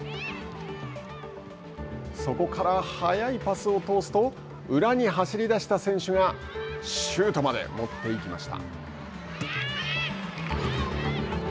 そこから速いパスを通すと裏に走り出した選手がシュートまで持っていきました。